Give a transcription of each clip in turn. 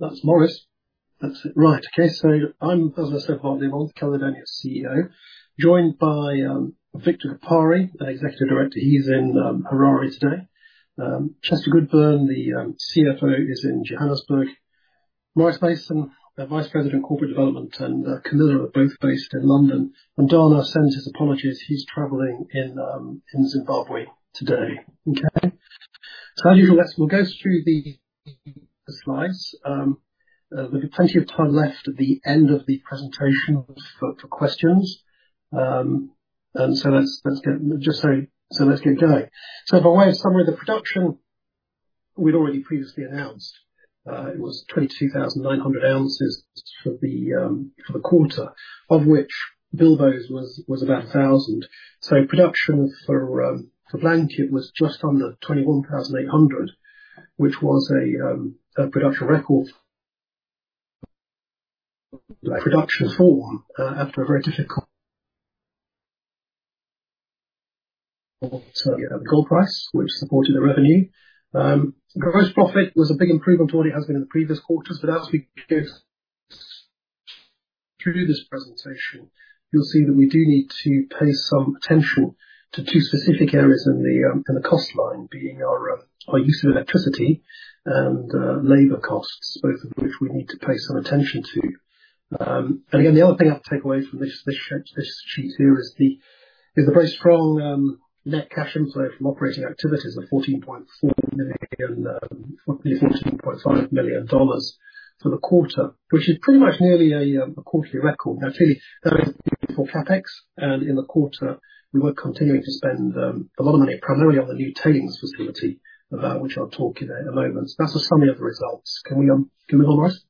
That's Maurice. That's it, right. Okay, so I'm as I said, Mark Learmonth, Caledonia's CEO, joined by Victor Gapare, an Executive Director. He's in Harare today. Chester Goodburn, the CFO, is in Johannesburg. Maurice Mason, the Vice President of Corporate Development, and Camilla are both based in London. And Dana sends his apologies. He's traveling in Zimbabwe today. Okay? So as usual, let's. We'll go through the slides. There'll be plenty of time left at the end of the presentation for questions. And so let's get... Just so, let's get going. So by way of summary, the production we'd already previously announced, it was 22,900 ounces for the quarter, of which Bilboes was about 1,000. So production for Blanket was just under 21,800, which was a production record. After a very difficult gold price, which supported the revenue. Gross profit was a big improvement on what it has been in the previous quarters, but as we go through this presentation, you'll see that we do need to pay some attention to two specific areas in the cost line, being our use of electricity and labor costs, both of which we need to pay some attention to. And again, the other thing I'll take away from this, this sheet here is the very strong net cash inflow from operating activities of $14.4 million, $14.5 million for the quarter, which is pretty much nearly a quarterly record. Now, clearly, that is for CapEx, and in the quarter, we were continuing to spend a lot of money, primarily on the new tailings facility, which I'll talk in a moment. That's a summary of the results. Can we move on, Maurice?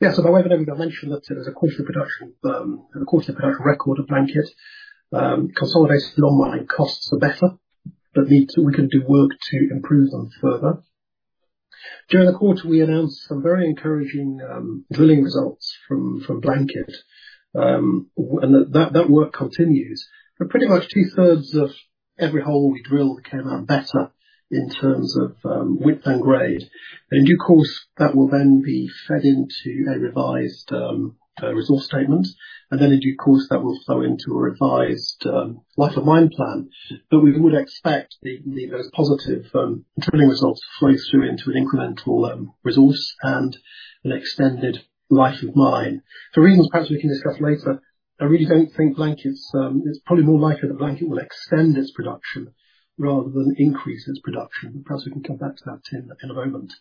Yeah, so by way of mention, that there's a quarterly production, a quarterly production record of Blanket. Consolidated on-mine costs are better, but need to, we can do work to improve them further. During the quarter, we announced some very encouraging drilling results from Blanket, and that work continues. But pretty much two-thirds of every hole we drilled came out better in terms of width and grade. In due course, that will then be fed into a revised resource statement, and then in due course, that will flow into a revised life of mine plan. But we would expect the most positive drilling results to flow through into an incremental resource and an extended life of mine. For reasons perhaps we can discuss later, I really don't think Blanket's... It's probably more likely that Blanket will extend its production rather than increase its production. Perhaps we can come back to that, Tim, in a moment.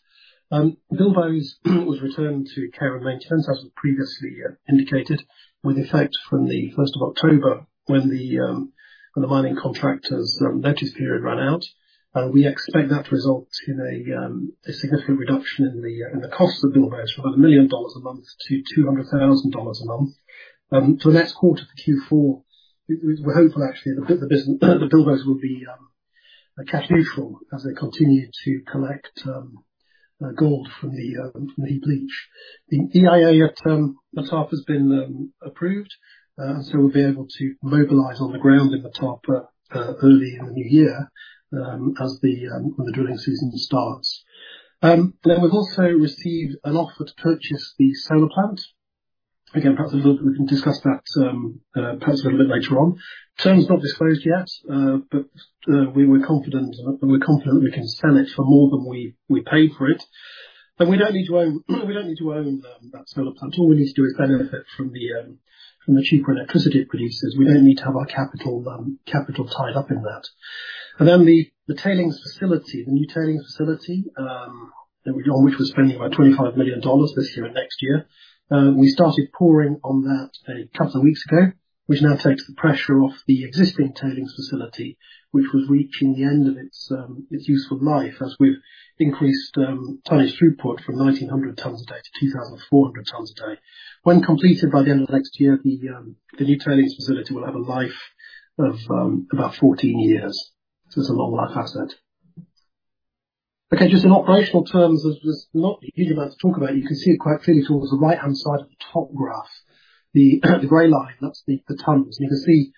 Bilboes was returned to care and maintenance, as was previously indicated, with effect from the first of October, when the mining contractor's notice period ran out. And we expect that to result in a significant reduction in the cost of Bilboes from $1 million a month to $200,000 a month. So next quarter, Q4, we're hopeful, actually, that the business, the Bilboes will be cash neutral as they continue to collect gold from the leach. The EIA of Motapa has been approved, so we'll be able to mobilize on the ground in Motapa early in the new year, as the drilling season starts. Then we've also received an offer to purchase the solar plant. Again, perhaps we can discuss that, perhaps a little bit later on. Terms not disclosed yet, but, we were confident, we're confident we can sell it for more than we, we paid for it. And we don't need to own, we don't need to own, that solar plant. All we need to do is benefit from the, from the cheaper electricity it produces. We don't need to have our capital, capital tied up in that. Then the tailings facility, the new tailings facility, that we're spending about $25 million on this year and next year, we started pouring on that a couple of weeks ago, which now takes the pressure off the existing tailings facility, which was reaching the end of its useful life, as we've increased tonnage throughput from 1,900 tons a day to 2,400 tons a day. When completed by the end of next year, the new tailings facility will have a life of about 14 years. So it's a long life asset. Okay, just in operational terms, there's not a huge amount to talk about. You can see it quite clearly towards the right-hand side at the top graph. The gray line, that's the tons. You can see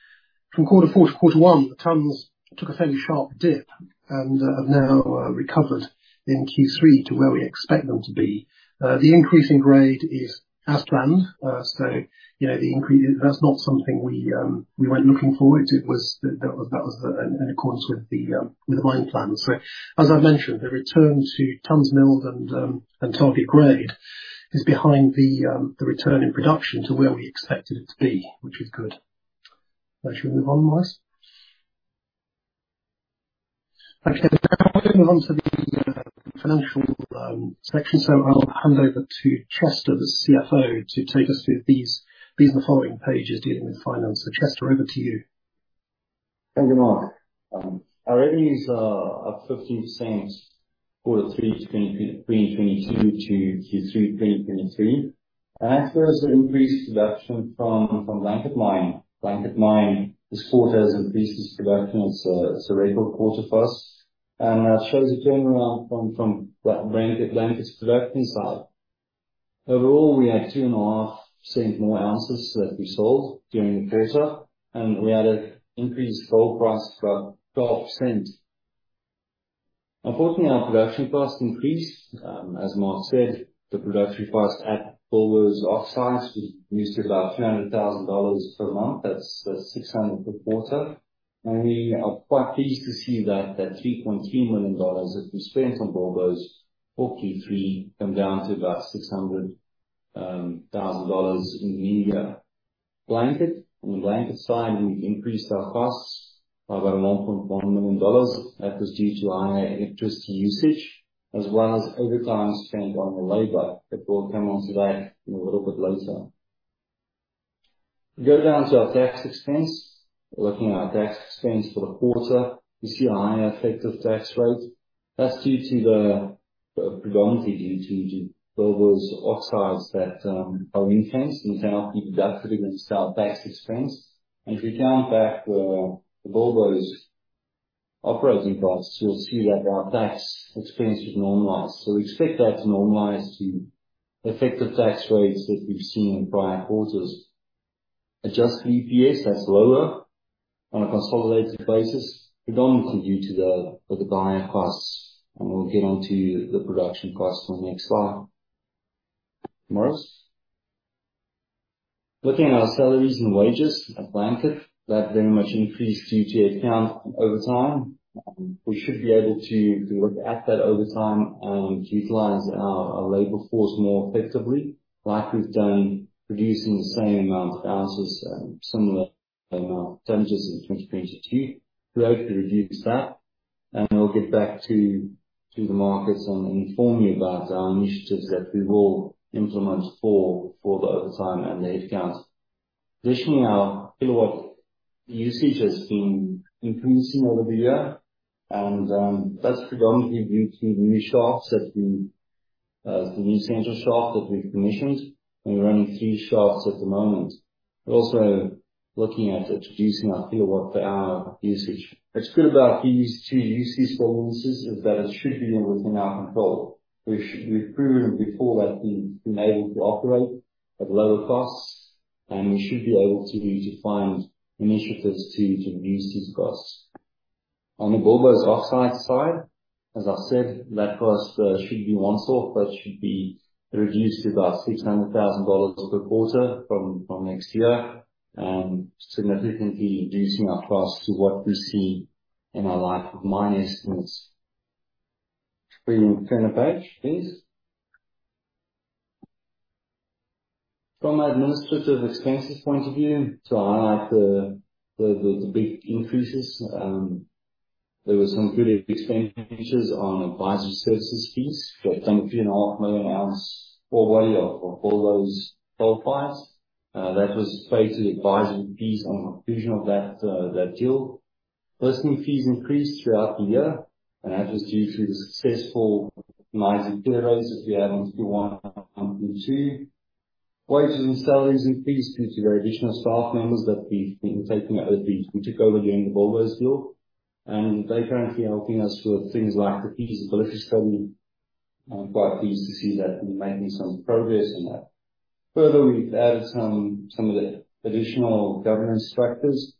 from quarter four to quarter one, the tons took a fairly sharp dip and, have now, recovered in Q3 to where we expect them to be. The increase in grade is as planned. So you know, the increase, that's not something we, we went looking for. It was, that, that was, that was in accordance with the, with the mine plan. So, as I mentioned, the return to tons milled and, and target grade is behind the, the return in production to where we expected it to be, which is good. Now, should we move on, Maurice? Okay, now we're going to move on to the, financial, section. So I'll hand over to Chester, the CFO, to take us through these, these following pages dealing with finance. So, Chester, over to you. Thank you, Mark. Our revenues are up 15%, Q3 2022 to Q3 2023. That's due to increased production from Blanket Mine. Blanket Mine this quarter has increased its production. It's a record quarter for us, and that shows a turnaround from the Blanket, Blanket's production side. Overall, we had 2.5% more ounces that we sold during the quarter, and we had an increased gold price by 12%. Unfortunately, our production costs increased. As Mark said, the production cost at Bilboes oxides was usually about $200,000 per month. That's $600,000 per quarter. And we are quite pleased to see that the $3.2 million that we spent on Bilboes, for Q3, come down to about $600,000 in the year. Blanket, on the Blanket side, we increased our costs by about $1.1 million. That was due to higher electricity usage, as well as overtime spent on the labor, but we'll come onto that a little bit later. If we go down to our tax expense, looking at our tax expense for the quarter, you see a higher effective tax rate. That's due to the, the predominantly due to Bilboes' offsites that are intense, and cannot be deducted against our tax expense. And if you count back the, the Bilboes' operating costs, you'll see that our tax expense is normalized. So we expect that to normalize to effective tax rates that we've seen in prior quarters. Adjusted EPS, that's lower on a consolidated basis, predominantly due to the, the higher costs, and we'll get onto the production costs on the next slide. Maurice? Looking at our salaries and wages at Blanket, that very much increased due to head count and overtime. We should be able to look at that overtime to utilize our labor force more effectively, like we've done producing the same amount of ounces, similar amount of tons in 2022. We hope to reduce that, and we'll get back to the markets and inform you about our initiatives that we will implement for the overtime and the headcounts. Additionally, our kilowatt usage has been increasing over the year, and that's predominantly due to new shafts, the new Central Shaft that we've commissioned, and we're running three shafts at the moment. We're also looking at reducing our kilowatt per hour usage. What's good about these two usage balances is that it should be within our control. We've proven before that we've been able to operate at lower costs, and we should be able to find initiatives to reduce these costs. On the Bilboes offsite side, as I've said, that cost should be once-off, but should be reduced to about $600,000 per quarter from next year, significantly reducing our costs to what we see in our life of mine estimates. Can we turn the page, please? From an administrative expenses point of view, to highlight the big increases, there were some good expenditures on advisory services fees for a 3.5 million ounce ore body of Bilboes gold mines. That was paid to the advisory fees on acquisition of that deal. Listing fees increased throughout the year, and that was due to the successful mining claims that we had on Q1 and Q2. Wages and salaries increased due to the additional staff members that we've been taking over, which we took over during the Bilboes' deal, and they currently are helping us with things like the feasibility study. I'm quite pleased to see that we're making some progress in that. Further, we've added some of the additional governance structures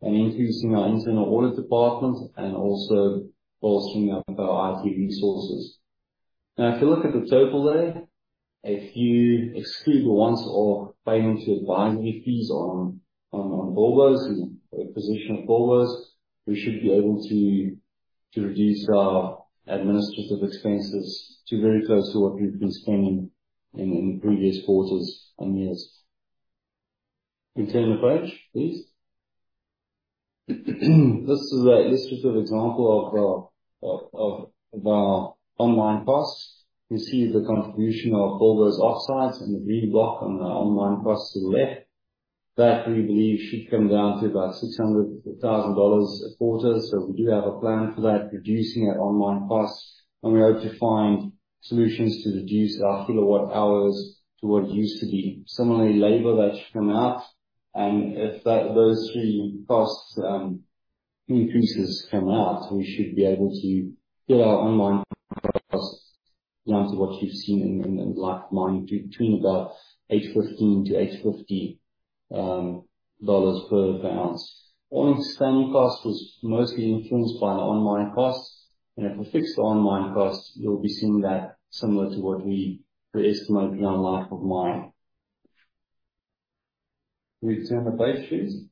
and increasing our internal audit department and also bolstering up our IT resources. Now, if you look at the total there, if you exclude the once-off payment to advisory fees on Bilboes, and acquisition of Bilboes, we should be able to reduce our administrative expenses to very close to what we've been spending in previous quarters and years. You can turn the page, please. This is an illustrative example of our on-mine costs. You see the contribution of Bilboes oxides in the green block on the on-mine costs to the left. That we believe should come down to about $600,000 a quarter, so we do have a plan for that, reducing our on-mine costs, and we hope to find solutions to reduce our kilowatt hours to what it used to be. Similarly, labor, that should come out, and if that those three costs increases come out, we should be able to get our on-mine costs down to what you've seen in the life of mine, between about $815 to $850 dollars per ounce. All-in sustaining cost was mostly influenced by the on-mine costs, and if we fix the on-mine costs, you'll be seeing that similar to what we estimate in our life of mine. Can we turn the page, please?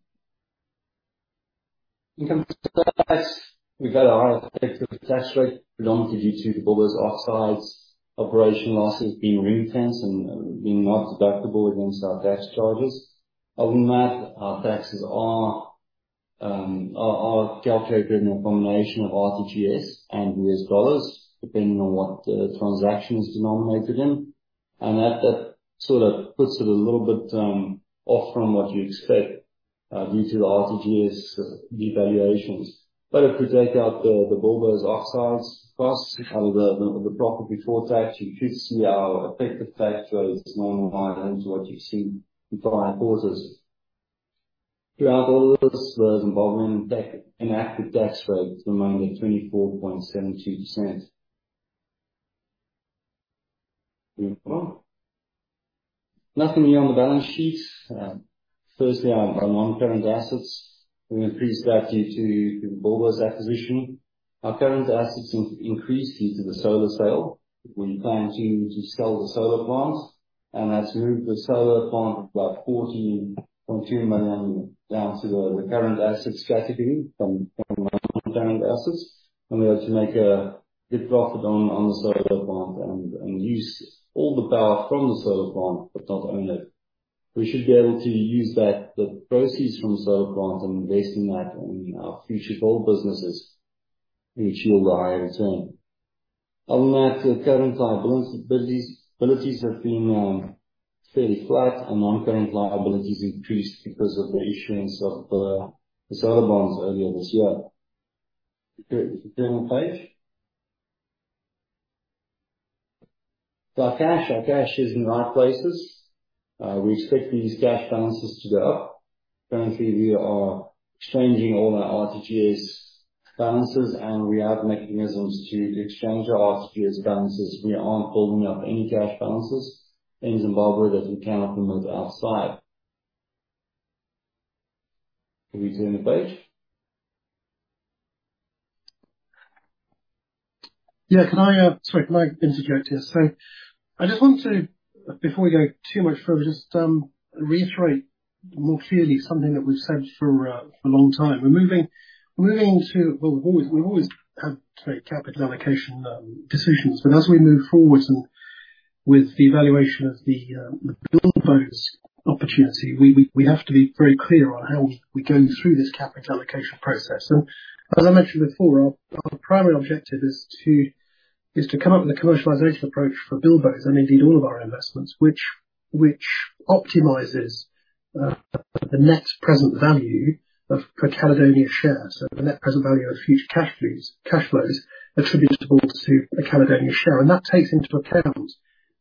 In terms of tax, we got a higher effective tax rate, predominantly due to Bilboes' offsites operational losses being ring-fenced and being not deductible against our tax charges. I will note our taxes are calculated in a combination of RTGS and U.S. dollars, depending on what the transaction is denominated in. And that sort of puts it a little bit off from what you expect due to the RTGS devaluations. But if we take out the Bilboes' offsites costs of the profit before tax, you should see our effective tax rate is normalized into what you've seen in prior quarters. Throughout all this, the effective tax rate remained at 24.72%. Moving on. Nothing new on the balance sheet. Firstly, our non-current assets increased due to the Bilboes acquisition. Our current assets increased due to the solar sale. We plan to sell the solar plants, and that's moved the solar plant about $14.2 million down to the current asset category from non-current assets. We have to make a good profit on the solar plant and use all the power from the solar plant, but not own it. We should be able to use the proceeds from solar plants and invest in our future gold businesses, which yield a higher return. Other than that, the current liabilities have been fairly flat, and non-current liabilities increased because of the issuance of the solar bonds earlier this year. Go to the third page. So our cash is in the right places. We expect these cash balances to go up. Currently, we are exchanging all our RTGS balances, and we have mechanisms to exchange our RTGS balances. We aren't holding any cash balances in Zimbabwe that we cannot move outside. Can we turn the page? Yeah. Can I... Sorry, can I interject here? So I just want to, before we go too much further, just reiterate more clearly something that we've said for a long time. We're moving to... Well, we've always had to make capital allocation decisions, but as we move forward and with the evaluation of the Bilboes opportunity, we have to be very clear on how we go through this capital allocation process. So as I mentioned before, our primary objective is to come up with a commercialization approach for Bilboes, and indeed all of our investments, which optimizes the net present value per Caledonia share. So the net present value of future cash flows, cash flows attributable to a Caledonia share, and that takes into account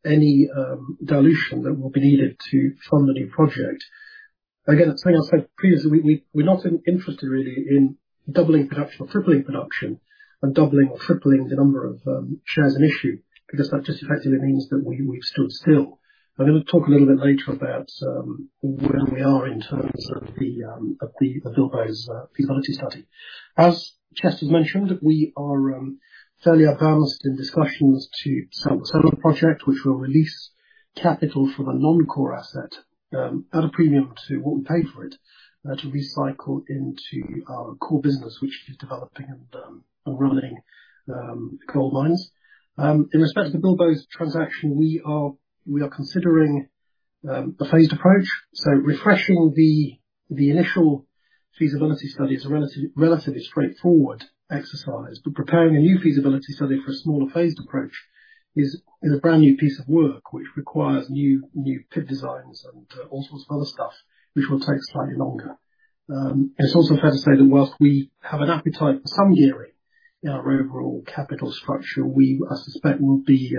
any dilution that will be needed to fund the new project. Again, something I said previously, we're not interested really in doubling production or tripling production, and doubling or tripling the number of shares in issue, because that just effectively means that we've stood still. And we'll talk a little bit later about where we are in terms of the Bilboes feasibility study. As Chester mentioned, we are fairly advanced in discussions to sell the solar project, which will release capital from a non-core asset at a premium to what we paid for it to be cycled into our core business, which is developing and running gold mines. In respect to the Bilboes transaction, we are considering a phased approach. So refreshing the initial feasibility study is a relatively straightforward exercise. But preparing a new feasibility study for a smaller phased approach is a brand new piece of work, which requires new pit designs and all sorts of other stuff, which will take slightly longer. And it's also fair to say that whilst we have an appetite for some gearing in our overall capital structure, we, I suspect, will be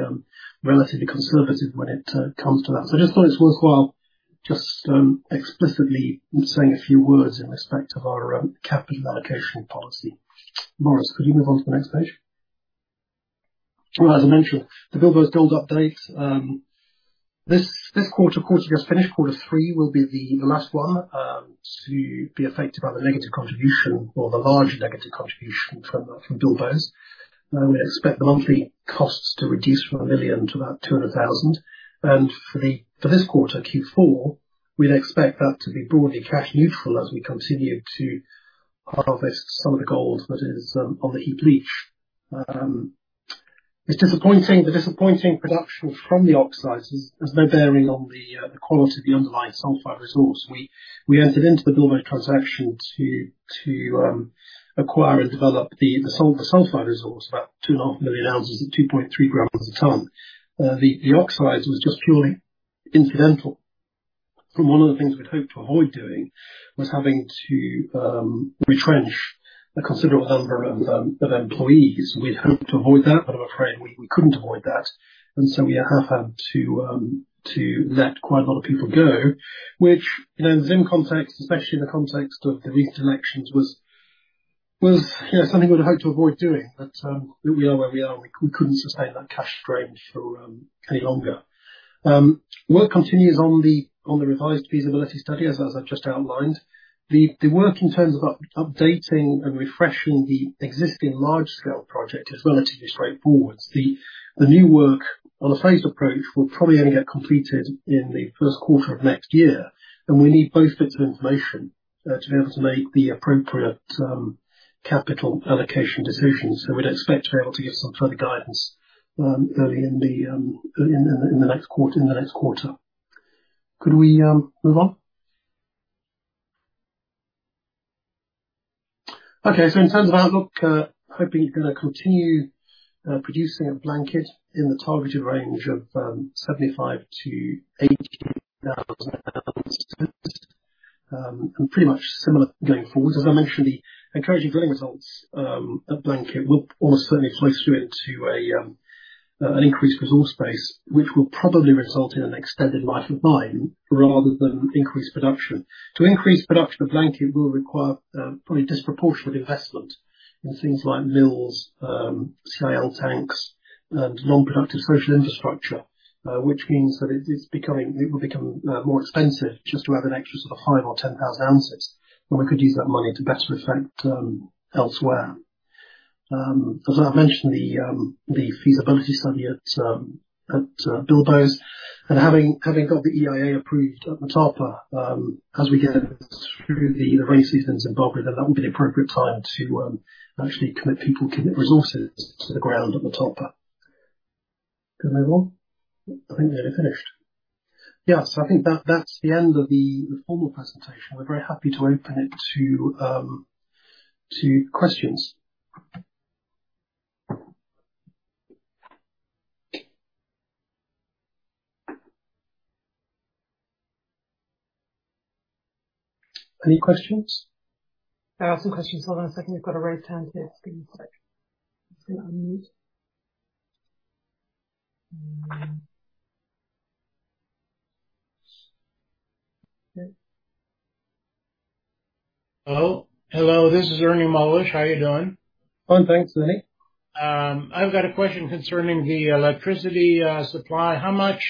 relatively conservative when it comes to that. So I just thought it was worthwhile, just explicitly saying a few words in respect of our capital allocation policy. Maurice, could you move on to the next page? Well, as I mentioned, the Bilboes' gold update, this quarter just finished, quarter three, will be the last one to be affected by the negative contribution or the large negative contribution from Bilboes'. We expect the monthly costs to reduce from $1 million to about $200,000. And for this quarter, Q4, we'd expect that to be broadly cash neutral as we continue to harvest some of the gold that is on the heap leach. It's disappointing, the disappointing production from the oxides has no bearing on the quality of the underlying sulfide resource. We entered into the Bilboes transaction to acquire and develop the sulfide resource, about 2.5 million ounces at 2.3 grams a ton. The oxides was just purely incidental. One of the things we'd hoped to avoid doing was having to retrench a considerable number of employees. We'd hoped to avoid that, but I'm afraid we couldn't avoid that. And so we have had to let quite a lot of people go, which, you know, in context, especially in the context of the recent elections, was, you know, something we'd hoped to avoid doing. But we are where we are. We couldn't sustain that cash drain for any longer. Work continues on the revised feasibility study, as I've just outlined. The work in terms of updating and refreshing the existing large scale project is relatively straightforward. The new work on the phased approach will probably only get completed in the first quarter of next year, and we need both bits of information to be able to make the appropriate capital allocation decisions. So we'd expect to be able to give some further guidance early in the next quarter. Could we move on? Okay, so in terms of outlook, hoping to continue producing at Blanket in the targeted range of 75-80 thousand ounces. And pretty much similar going forward. As I mentioned, the encouraging drilling results at Blanket will almost certainly close through it to an increased resource base, which will probably result in an extended life of mine rather than increased production. To increase production of Blanket will require probably disproportionate investment in things like mills, CIL tanks and non-productive social infrastructure, which means that it will become more expensive just to have an extra sort of five or 10,000 ounces, and we could use that money to better effect elsewhere. As I've mentioned, the feasibility study at Bilboes and having got the EIA approved at Motapa, as we get through the rain seasons in Zimbabwe, then that will be the appropriate time to actually commit people, commit resources to the ground at Motapa. Good move on? I think we're nearly finished. Yeah, so I think that's the end of the formal presentation. We're very happy to open it to questions. Any questions? I have some questions. Hold on a second. You've got a raised hand here. Just give me a sec. Just gonna unmute. Hello. Hello, this is Ernie Molish. How are you doing? Fine, thanks, Ernie. I've got a question concerning the electricity supply. How much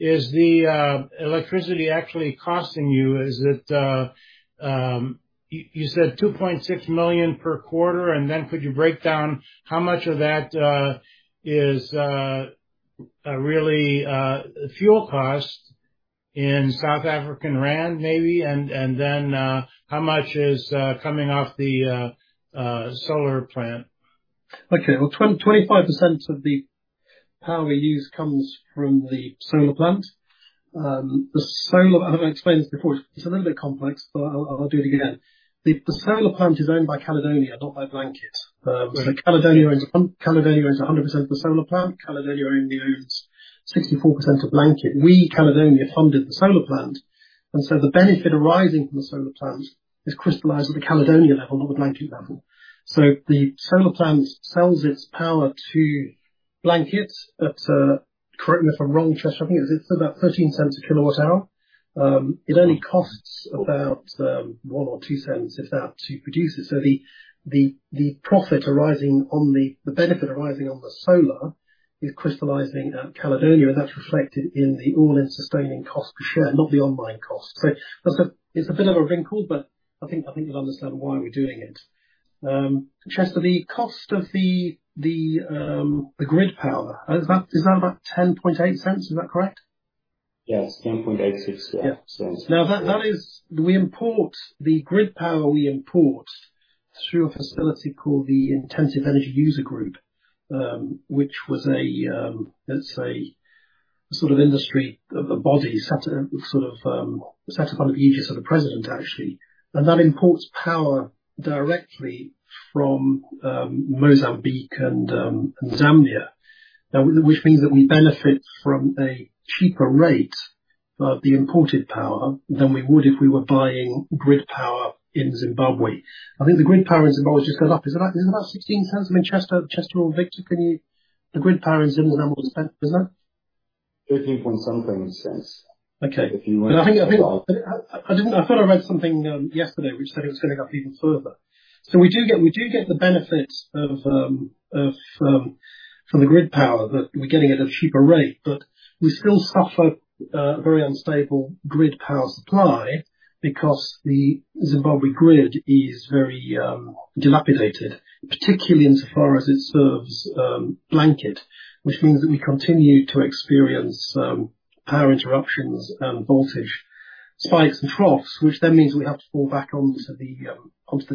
is the electricity actually costing you? Is it... You said $2.6 million per quarter, and then could you break down how much of that is really fuel cost in South African rand, maybe, and then how much is coming off the solar plant? Okay. Well, 25% of the power we use comes from the solar plant. The solar... I don't know if I explained this before, it's a little bit complex, but I'll do it again. The solar plant is owned by Caledonia, not by Blanket. So Caledonia owns 100% of the solar plant. Caledonia only owns 64% of Blanket. We, Caledonia, funded the solar plant, and so the benefit arising from the solar plant is crystallized at the Caledonia level, not the Blanket level. So the solar plant sells its power to Blanket at, correct me if I'm wrong, Chester, I think it's about $0.13/kWh. It only costs about $0.01 to $0.02, if that, to produce it. So the profit arising on the... The benefit arising on the solar is crystallizing at Caledonia, and that's reflected in the all-in sustaining cost per share, not the on-mine cost. So that's a bit of a wrinkle, but I think you'll understand why we're doing it. Chester, the cost of the grid power, is that about $0.108, is that correct? Yes, $0.1086, yeah. Now, that is, we import the grid power we import through a facility called the Intensive Energy User Group, which was a, let's say, sort of industry, a body set, sort of, set up under the aegis of the president, actually, and that imports power directly from Mozambique and Zambia. Now, which means that we benefit from a cheaper rate of the imported power than we would if we were buying grid power in Zimbabwe. I think the grid power in Zimbabwe just go up. Is it about 16 cents? I mean, Chester, Chester or Victor, can you... The grid power in Zimbabwe, how much does that...? Is that- $0.13-something Okay. If you want- I thought I read something yesterday, which said it was going up even further. So we do get the benefit from the grid power that we're getting it at a cheaper rate, but we still suffer very unstable grid power supply because the Zimbabwe grid is very dilapidated, particularly in so far as it serves Blanket, which means that we continue to experience power interruptions and voltage spikes and troughs, which then means we have to fall back onto the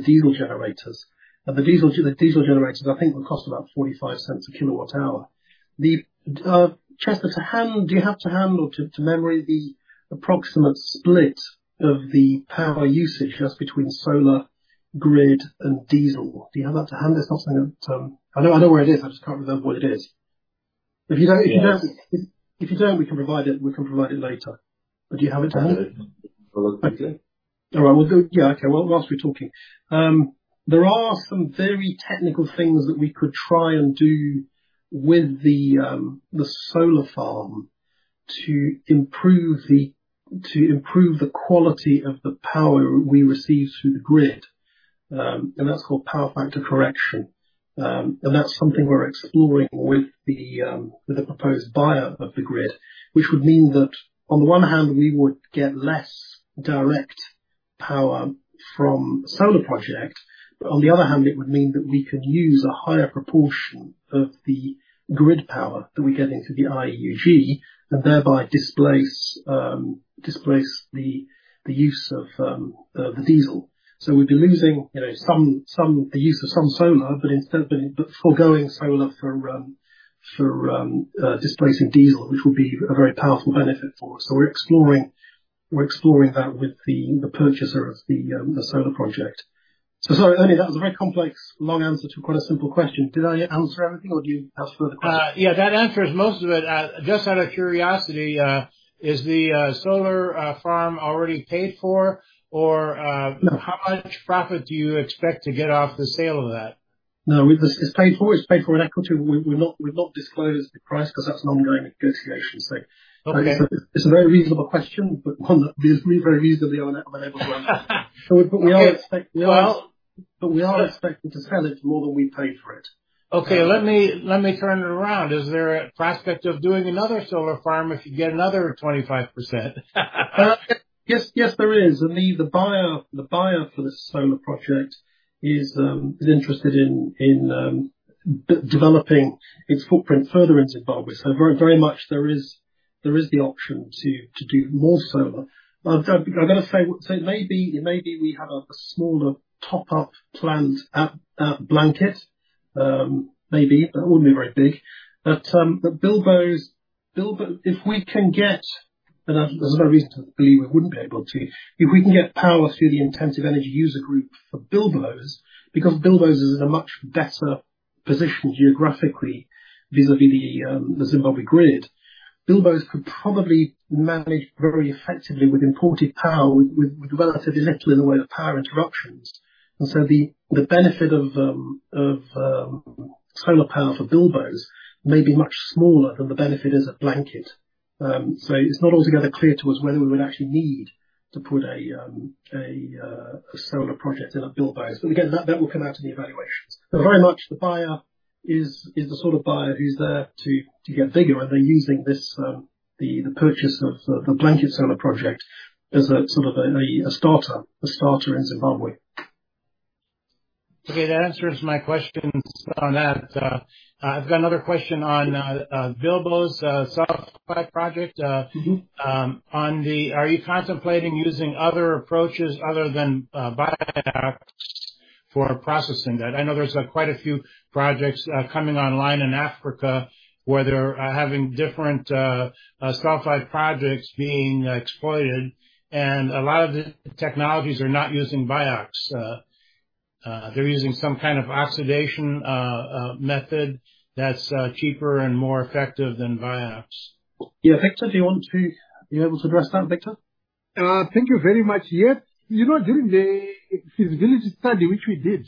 diesel generators. And the diesel generators, I think, will cost about $0.45/kWh. Chester, do you have to hand or to memory the approximate split of the power usage that's between solar, grid, and diesel? Do you have that to hand? It's not something that, I know, I know where it is. I just can't remember what it is. If you don't, if you don't- Yes. If you don't, we can provide it, we can provide it later. But do you have it to hand? I'll look for it. Okay. All right, we'll go. Yeah, okay, well, while we're talking, there are some very technical things that we could try and do with the solar farm to improve the quality of the power we receive through the grid. And that's called power factor correction. And that's something we're exploring with the proposed buyer of the grid, which would mean that on one hand, we would get less direct power from the solar project, but on the other hand, it would mean that we could use a higher proportion of the grid power that we get in through the IEUG, and thereby displace the use of the diesel. So we'd be losing, you know, the use of some solar, but instead, foregoing solar for displacing diesel, which will be a very powerful benefit for us. So we're exploring that with the purchaser of the solar project. So sorry, Ernie, that was a very complex, long answer to quite a simple question. Did I answer everything or do you have further questions? Yeah, that answers most of it. Just out of curiosity, is the solar farm already paid for? Or- No.... how much profit do you expect to get off the sale of that?... No, it's paid for. It's paid for in equity. We'll not disclose the price because that's an ongoing negotiation, so. Okay. It's a very reasonable question, but one that we very reasonably are unable to answer. But we are expect- Well. But we are expecting to sell it for more than we paid for it. Okay. Let me, let me turn it around. Is there a prospect of doing another solar farm if you get another 25%? Yes, yes, there is. And the buyer for this solar project is interested in developing its footprint further in Zimbabwe. So very, very much there is the option to do more solar. But I've got to say, so maybe we have a smaller top-up plant at Blanket. Maybe. It wouldn't be very big. But Bilboes. If we can get, and there's no reason to believe we wouldn't be able to, if we can get power through the Intensive Energy User Group for Bilboes, because Bilboes is in a much better position geographically, vis-a-vis the Zimbabwe grid. Bilboes could probably manage very effectively with imported power, with relatively little in the way of power interruptions. And so the benefit of solar power for Bilboes may be much smaller than the benefit at Blanket. So it's not altogether clear to us whether we would actually need to put a solar project in at Bilboes. But again, that will come out in the evaluations. So very much the buyer is the sort of buyer who's there to get bigger, and they're using this the purchase of the Blanket Solar project as a sort of a starter in Zimbabwe. Okay, that answers my questions on that. I've got another question on Bilboes sulfide project. Mm-hmm. Are you contemplating using other approaches other than BIOX for processing that? I know there's quite a few projects coming online in Africa, where they're having different sulfide projects being exploited, and a lot of the technologies are not using BIOX. They're using some kind of oxidation method that's cheaper and more effective than BIOX. Yeah. Victor, do you want to... Are you able to address that, Victor? Thank you very much. Yes. You know, during the feasibility study, which we did,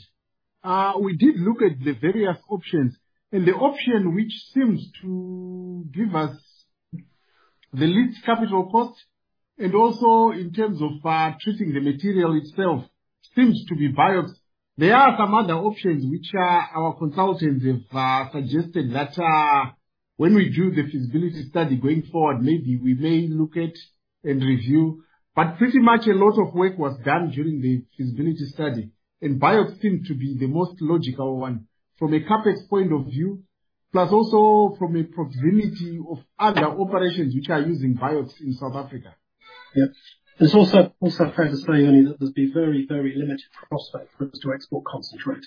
we did look at the various options. And the option which seems to give us the least capital cost, and also in terms of treating the material itself, seems to be BIOX. There are some other options which our consultants have suggested that when we do the feasibility study going forward, maybe we may look at and review. But pretty much a lot of work was done during the feasibility study, and BIOX seemed to be the most logical one from a CapEx point of view, plus also from a proximity of other operations which are using BIOX in South Africa. Yeah. There's also fair to say that there's been very limited prospect for us to export concentrate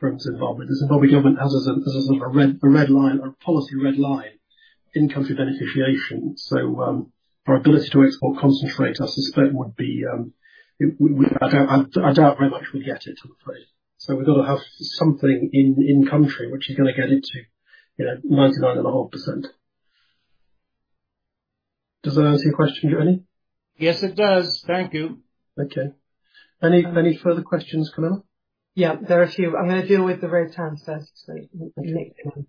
from Zimbabwe. The Zimbabwe government has a red line, a policy red line in country beneficiation. So, our ability to export concentrate, I suspect, would be, I don't, I doubt very much we'd get it, I'm afraid. So we've got to have something in country, which is going to get it to, you know, 99.5%. Does that answer your question, Johnny? Yes, it does. Thank you. Okay. Any further questions, Camilla? Yeah, there are a few. I'm gonna deal with the right hand first, so the next one.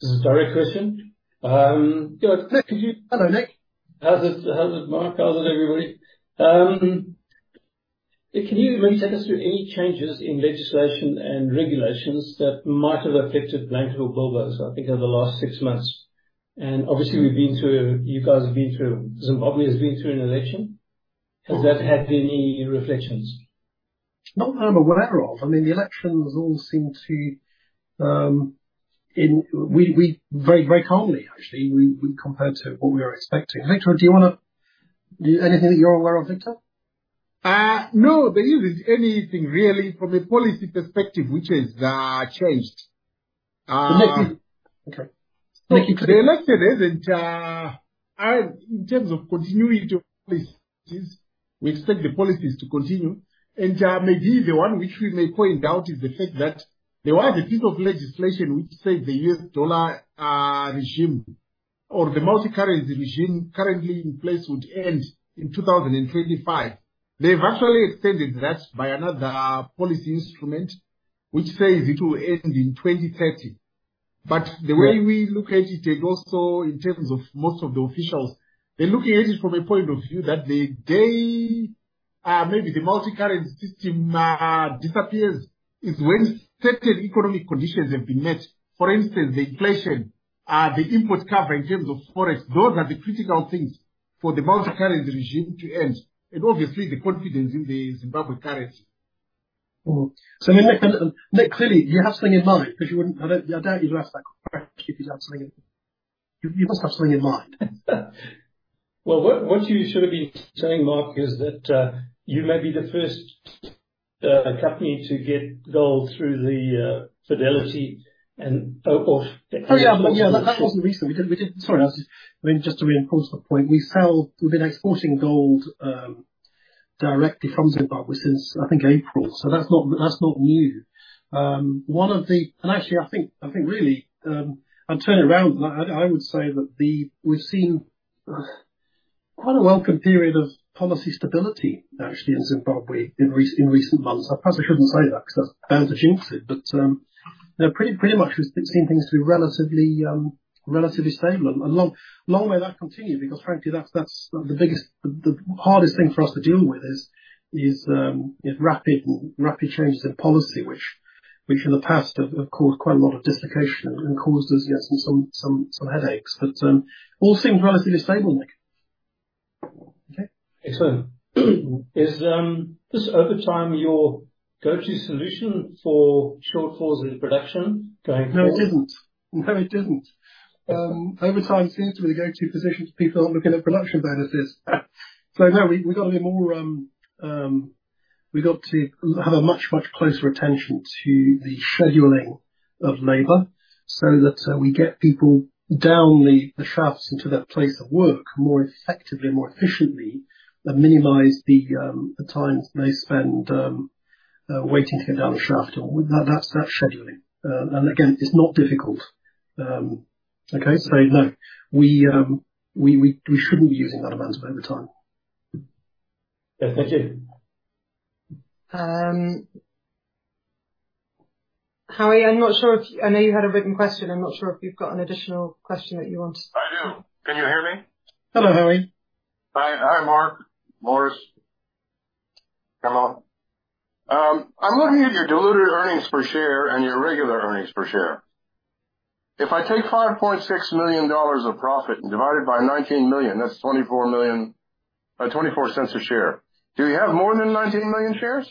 This is Barry, Christian. Good. Nick, could you... Hello, Nick. How's it, how's it, Mark? How's it, everybody? Can you maybe take us through any changes in legislation and regulations that might have affected Blanket or Bilboes, I think, in the last six months? And obviously, we've been through, you guys have been through, Zimbabwe has been through an election. Has that had any reflections? Not that I'm aware of. I mean, the elections all seem to. We very, very calmly, actually, compared to what we were expecting. Victor, do you wanna... Anything that you're aware of, Victor? No, there isn't anything really from a policy perspective which has changed. Okay. The election isn't in terms of continuity of policies. We expect the policies to continue. And maybe the one which we may point out is the fact that there was a piece of legislation which said the US dollar regime, or the multi-currency regime currently in place would end in 2025. They've actually extended that by another policy instrument, which says it will end in 2030. But the way we look at it, and also in terms of most of the officials, they're looking at it from a point of view that the day maybe the multi-currency system disappears is when certain economic conditions have been met. For instance, the inflation, the import cover in terms of forex, those are the critical things for the multi-currency regime to end, and obviously the confidence in the Zimbabwe currency. Mm-hmm. So, I mean, Nick, Nick, clearly, you have something in mind, because you wouldn't have otherwise asked that question if you didn't have something. You, you must have something in mind. Well, what, what you should have been saying, Mark, is that you may be the first company to get gold through the Fidelity and o- off- Oh, yeah. But, yeah, that wasn't recent. We did... Sorry, I mean, just to reinforce the point, we sell, we've been exporting gold directly from Zimbabwe since, I think, April, so that's not new. One of the... Actually, I think really, I'll turn it around. I would say that we've seen quite a welcome period of policy stability, actually, in Zimbabwe in recent months. I probably shouldn't say that, because that's bound to jinx it. But, no, pretty much we've seen things be relatively stable. And long, long may that continue, because frankly, that's, that's the biggest, the, the hardest thing for us to deal with is, is, rapid, rapid changes in policy, which, which in the past have, have caused quite a lot of dislocation and caused us, yes, some, some, some headaches. But, all seems relatively stable, Nick. Okay. So, is this overtime your go-to solution for shortfalls in production going forward? No, it isn't. No, it isn't. Overtime seems to be the go-to position for people looking at production bonuses. So no, we've got to be more. We've got to have a much, much closer attention to the scheduling of labor, so that we get people down the shafts into their place of work more effectively and more efficiently, and minimize the time they spend waiting to get down the shaft or that scheduling. And again, it's not difficult. Okay? So no, we shouldn't be using that amount of overtime. Yeah. Thank you. Howie, I'm not sure if... I know you had a written question. I'm not sure if you've got an additional question that you want. I do. Can you hear me? Hello, Howie. Hi. Hi, Mark, Maurice. Hello. I'm looking at your diluted earnings per share and your regular earnings per share. If I take $5.6 million of profit and divide it by 19 million, that's 24 million, 24 cents a share. Do you have more than 19 million shares?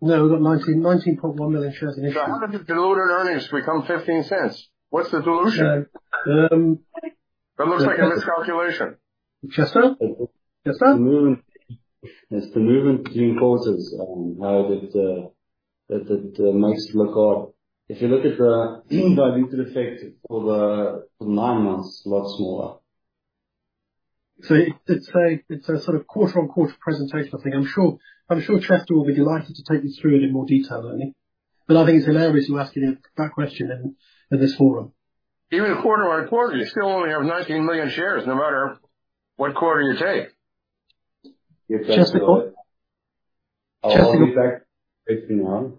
No, we've got 19, 19.1 million shares. How did the diluted earnings become $0.15? What's the dilution? Uh, um- It looks like a miscalculation. Chester? Chester? It's the movement between quarters, how it makes it look odd. If you look at the dilutive effect for the nine months, it's a lot smaller. It's a, it's a sort of quarter-over-quarter presentation thing. I'm sure, I'm sure Chester will be delighted to take you through it in more detail, Ernie. I think it's hilarious, you asking that question in, in this forum. Even quarter-over-quarter, you still only have 19 million shares, no matter what quarter you take. Chester- Yes, that's correct. Chester. Fifteen one.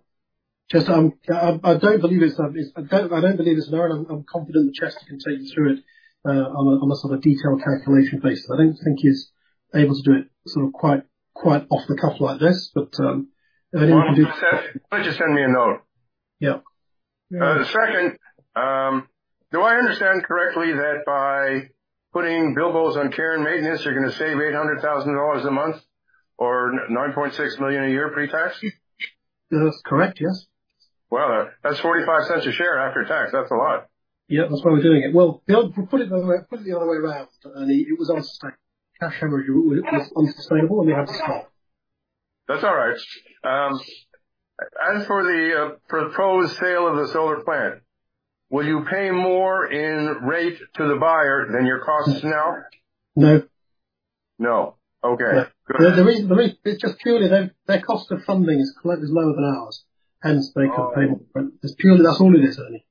Chester, I don't believe it's an error. I'm confident that Chester can take you through it on a sort of detailed calculation basis. I don't think he's able to do it sort of quite off the cuff like this, but he can do- Why don't you send me a note? Yeah. The second, do I understand correctly that by putting Bilboes on care and maintenance, you're gonna save $800,000 a month or $9.6 million a year, pre-tax? That's correct, yes. Wow, that's $0.45 a share after tax. That's a lot. Yeah, that's why we're doing it. Well, Bill, put it the other way around, Ernie. It was unsustainable. Cash flow was unsustainable, and we had to stop. That's all right. As for the proposed sale of the solar plant, will you pay more in rate to the buyer than your costs now? No. No. Okay. The reason... It's just purely their cost of funding is quite lower than ours, hence they could pay more. Oh. It's purely, that's all it is, Ernie.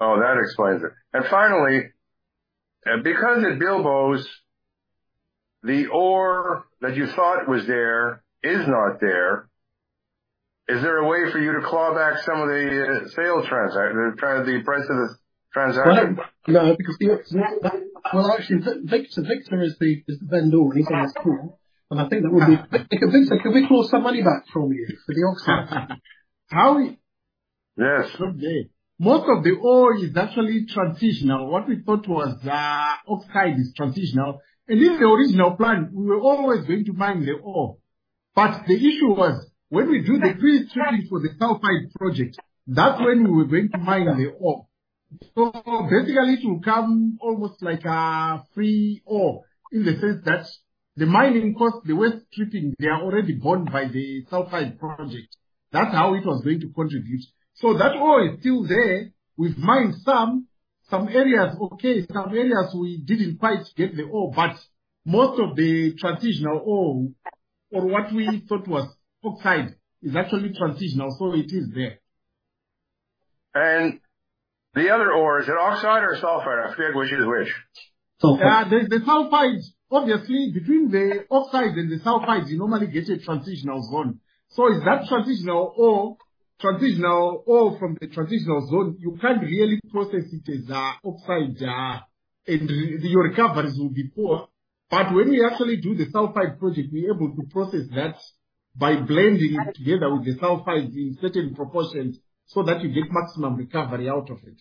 Oh, that explains it. Finally, and because at Bilboes, the ore that you thought was there, is not there, is there a way for you to claw back some of the, the price of the transaction? No, because... Well, actually, Victor, Victor is the vendor. He's on this call. And I think that would be... Victor, can we claw some money back from you for the oxide? Howie! Yes. Most of the ore is actually transitional. What we thought was oxide is transitional. And in the original plan, we were always going to mine the ore. But the issue was, when we do the pre-treating for the sulfide project, that's when we were going to mine the ore. So basically, it will come almost like a free ore, in the sense that the mining cost, the waste treating, they are already gone by the sulfide project. That's how it was going to contribute. So that ore is still there. We've mined some areas, okay. Some areas, we didn't quite get the ore, but most of the transitional ore, or what we thought was oxide, is actually transitional, so it is there. The other ore, is it oxide or sulfide? I forget which is which. Sulfide. The sulfides, obviously between the oxides and the sulfides, you normally get a transitional zone. So it's that transitional ore, transitional ore from the transitional zone, you can't really process it as oxide, and your recoveries will be poor. But when you actually do the sulfide project, we're able to process that by blending it together with the sulfide in certain proportions so that you get maximum recovery out of it.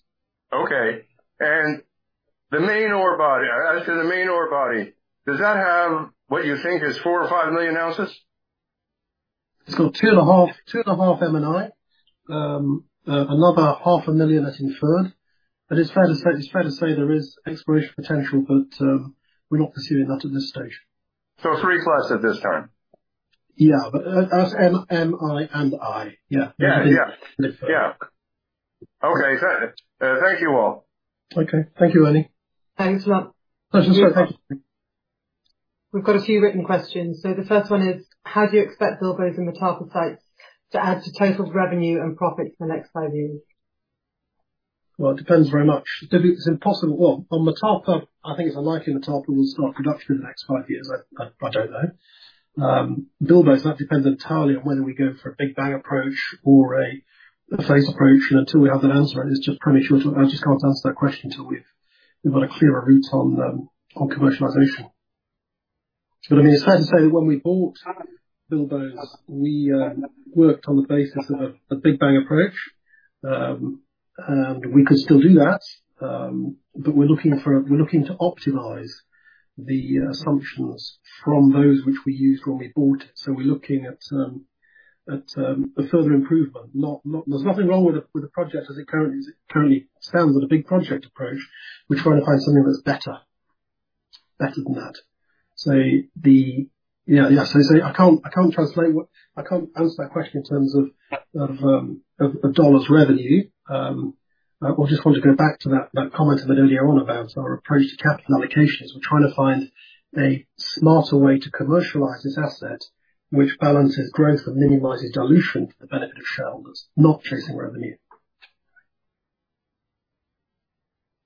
Okay. The main ore body, as to the main ore body, does that have what you think is 4 or 5 million ounces? It's got 2.5, 2.5 M&I. Another 500,000 that's inferred. But it's fair to say, it's fair to say there is exploration potential, but we're not pursuing that at this stage. 3+ at this time? Yeah, but as M&I and I. Yeah. Yeah, yeah. Yeah. Okay, fair. Thank you all. Okay. Thank you, Ernie. Thanks a lot. Thanks. We've got a few written questions. So the first one is: How do you expect Bilboes and the Tarka sites to add to total revenue and profit for the next five years? ...Well, it depends very much. There'll be, it's impossible. Well, on Motapa, I think it's unlikely Motapa will start production in the next five years. I don't know. Bilboes, that depends entirely on whether we go for a big bang approach or a phase approach. Until we have that answer, it's just pretty short. I just can't answer that question until we've got a clearer route on commercialization. But I mean, it's fair to say, when we bought Bilboes, we worked on the basis of a big bang approach. And we could still do that, but we're looking to optimize the assumptions from those which we used when we bought it. So we're looking at a further improvement. Not... There's nothing wrong with the project as it currently stands with a big project approach. We're trying to find something that's better than that. So, I can't translate what—I can't answer that question in terms of dollars revenue. I just want to go back to that comment I made earlier on about our approach to capital allocations. We're trying to find a smarter way to commercialize this asset, which balances growth and minimizes dilution for the benefit of shareholders, not chasing revenue.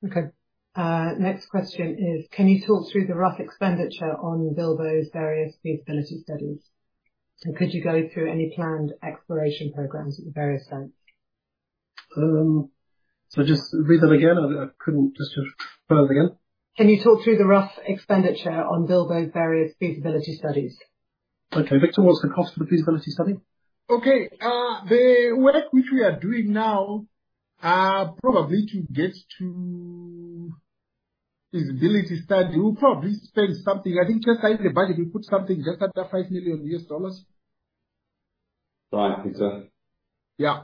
Okay. Next question is: Can you talk through the rough expenditure on Bilboes' various feasibility studies? And could you go through any planned exploration programs at the various sites? So just read that again. I couldn't... Just read that again. Can you talk through the rough expenditure on Bilboes' various feasibility studies? Okay. Victor, what's the cost of a feasibility study? Okay. The work which we are doing now, probably to get to Feasibility Study, we'll probably spend something, I think just in the budget, we put something just under $5 million. Right, Victor. Yeah.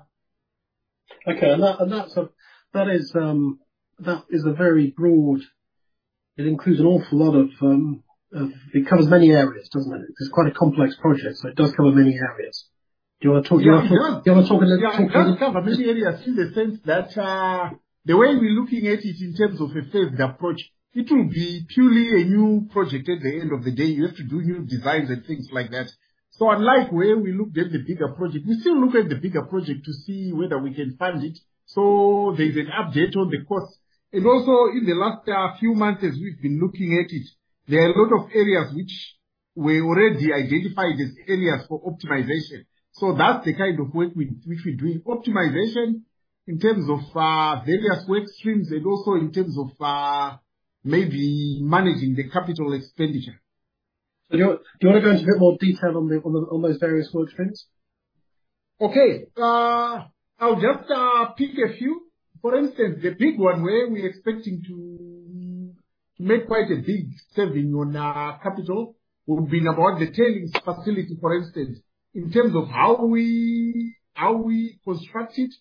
Okay. And that's a very broad... It includes an awful lot of it covers many areas, doesn't it? It's quite a complex project, so it does cover many areas. Do you want to talk a little about it? Yeah, it does cover many areas in the sense that the way we're looking at it, in terms of a phased approach, it will be purely a new project at the end of the day. You have to do new designs and things like that. So unlike where we looked at the bigger project, we still look at the bigger project to see whether we can fund it. So there's an update on the cost. And also, in the last few months, as we've been looking at it, there are a lot of areas which we already identified as areas for optimization. So that's the kind of work we, which we're doing. Optimization in terms of various work streams and also in terms of maybe managing the capital expenditure. Do you want to go into a bit more detail on those various work streams? Okay. I'll just pick a few. For instance, the big one where we're expecting to make quite a big saving on capital, would have been about the tailings facility, for instance. In terms of how we construct it,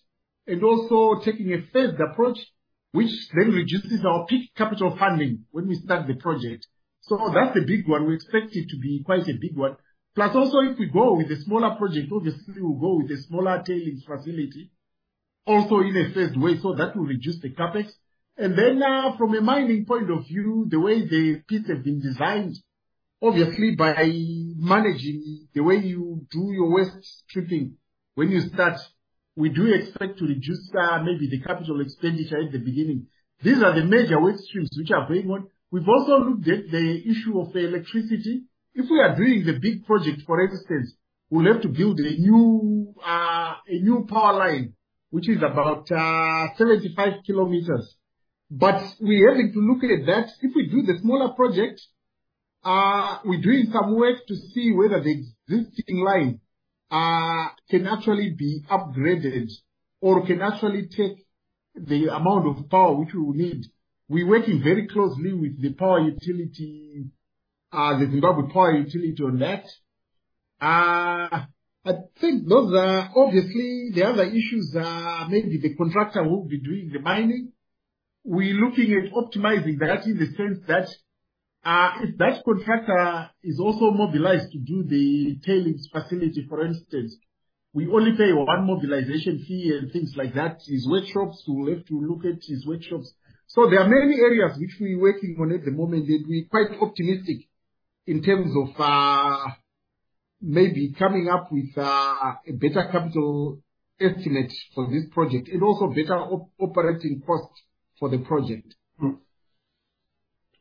and also taking a phased approach, which then reduces our peak capital funding when we start the project. So that's a big one. We expect it to be quite a big one. Plus, also, if we go with a smaller project, obviously, we'll go with a smaller tailings facility, also in a phased way, so that will reduce the CapEx. And then, from a mining point of view, the way the pits have been designed, obviously by managing the way you do your waste stripping when you start, we do expect to reduce maybe the capital expenditure at the beginning. These are the major work streams which are going on. We've also looked at the issue of electricity. If we are doing the big project, for instance, we'll have to build a new, a new power line, which is about, 75 km. But we are having to look at that. If we do the smaller project, we're doing some work to see whether the existing line can actually be upgraded or can actually take the amount of power which we will need. We're working very closely with the power utility, the Zimbabwe power utility on that. I think those are obviously the other issues, maybe the contractor who will be doing the mining. We're looking at optimizing that in the sense that, if that contractor is also mobilized to do the tailings facility, for instance, we only pay one mobilization fee and things like that. His workshops, we'll have to look at his workshops. So there are many areas which we're working on at the moment, and we're quite optimistic in terms of, maybe coming up with, a better capital estimate for this project, and also better operating costs for the project.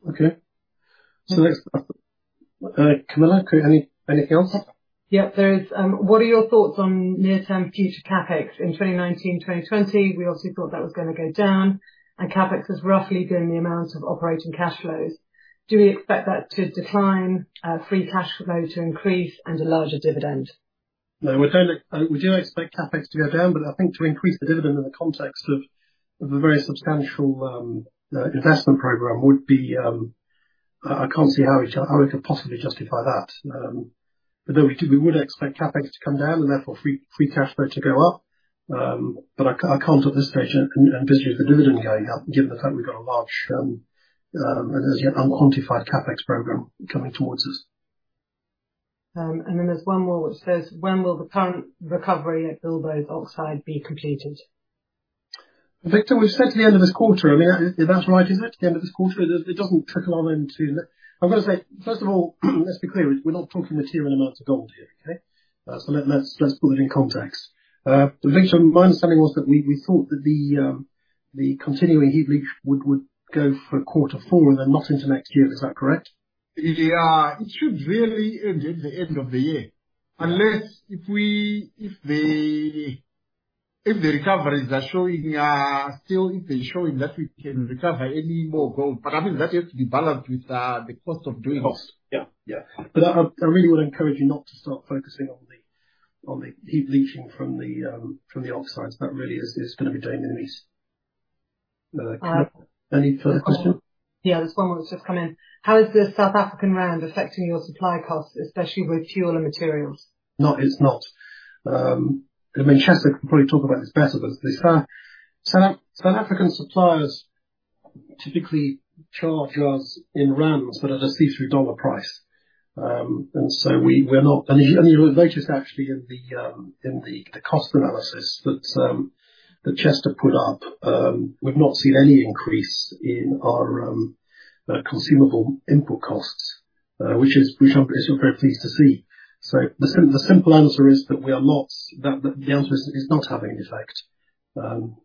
Okay. So let's, Camilla, anything else? Yeah, there is. What are your thoughts on near-term future CapEx in 2019, 2020? We obviously thought that was going to go down, and CapEx is roughly doing the amount of operating cash flows. Do we expect that to decline, free cash flow to increase, and a larger dividend? No, we're going to. We do expect CapEx to go down, but I think to increase the dividend in the context of a very substantial investment program would be... I can't see how we could possibly justify that. But no, we would expect CapEx to come down and therefore free cash flow to go up. But I can't, at this stage, envision the dividend going up, given the fact we've got a large and as yet unquantified CapEx program coming towards us. and then there's one more which says: When will the current recovery at Bilboes oxide be completed? Victor, we've said at the end of this quarter. I mean, if that's right, is it? The end of this quarter? It doesn't trickle on into the... I've got to say, first of all, let's be clear, we're not talking material amounts of gold here, okay? So let's put it in context. Victor, my understanding was that we thought that the continuing heap leach would go for quarter four and then not into next year. Is that correct? It should really end at the end of the year. Unless if the recoveries are showing still if they're showing that we can recover any more gold. But I mean, that has to be balanced with the cost of doing it. Of course. Yeah. Yeah. But I really would encourage you not to start focusing on the heap leaching from the offsites. That really is going to be doing in the least. Any further questions? Yeah, this one was just coming in. How is the South African rand affecting your supply costs, especially with fuel and materials? No, it's not. I mean, Chester can probably talk about this better, but the South African suppliers typically charge us in rands, but at a see-through dollar price. And so we, we're not... And you'll notice actually in the cost analysis that Chester put up, we've not seen any increase in our consumable input costs, which I'm very pleased to see. So the simple answer is that we are not, that the rand is not having an effect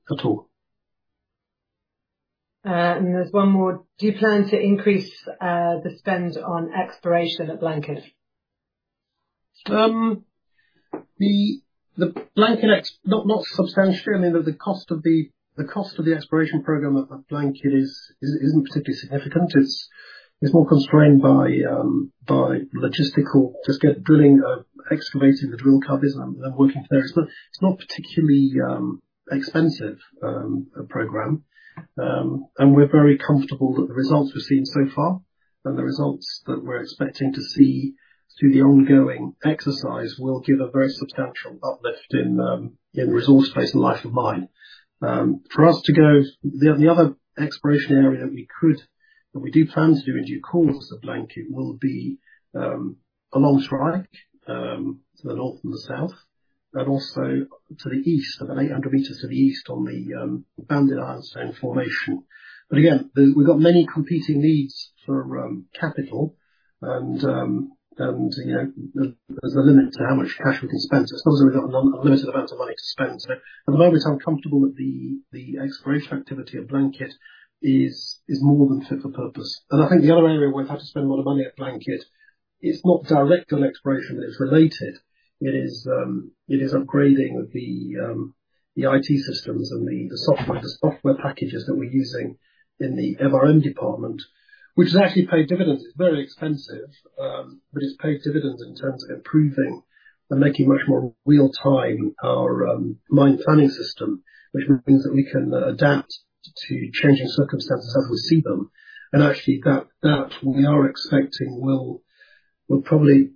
at all. There's one more. Do you plan to increase the spend on exploration at Blanket? Not substantially. I mean, the cost of the exploration program at Blanket isn't particularly significant. It's more constrained by logistical, just get drilling, excavating the drill coverage and working there. It's not particularly expensive, a program. And we're very comfortable that the results we've seen so far and the results that we're expecting to see through the ongoing exercise will give a very substantial uplift in resource base and life of mine. For us to go... The other exploration area that we could, and we do plan to do in due course at Blanket, will be along strike to the north and the south, and also to the east, about 800 meters to the east on the Boundary Ironstone Formation. But again, we've got many competing needs for capital and, you know, there's a limit to how much cash we can spend. So it's not that we've got a unlimited amount of money to spend. So at the moment, we're comfortable that the exploration activity at Blanket is more than fit for purpose. And I think the other area we've had to spend a lot of money at Blanket, it's not direct on exploration, it's related. It is upgrading of the IT systems and the software packages that we're using in the MRM department, which has actually paid dividends. It's very expensive, but it's paid dividends in terms of improving and making much more real time our mine planning system, which means that we can adapt to changing circumstances as we see them. And actually, that we are expecting will probably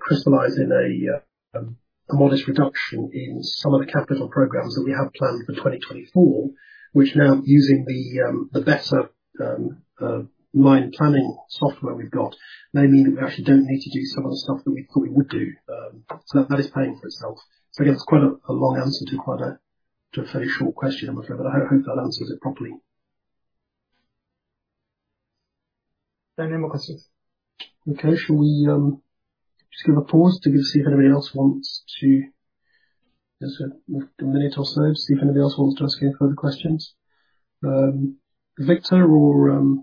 crystallize in a modest reduction in some of the capital programs that we have planned for 2024, which now using the better mine planning software we've got, may mean that we actually don't need to do some of the stuff that we thought we would do. So that is paying for itself. So I guess quite a long answer to a fairly short question, but I hope that answers it properly. Any more questions? Okay. Shall we just give a pause to see if anybody else wants to... Just a minute or so, see if anybody else wants to ask any further questions. Victor or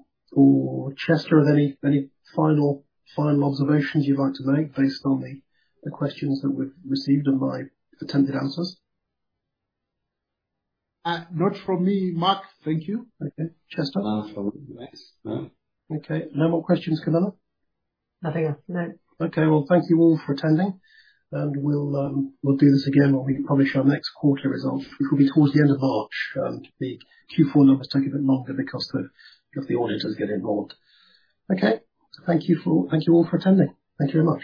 Chester, have any final observations you'd like to make based on the questions that we've received and my attempted answers? Not from me, Mark. Thank you. Okay. Chester? From me. No. Okay. No more questions, Camilla? Nothing else, no. Okay. Well, thank you all for attending, and we'll, we'll do this again when we publish our next quarterly results, which will be towards the end of March. The Q4 numbers take a bit longer because the auditors get involved. Okay. Thank you. Thank you all for attending. Thank you very much.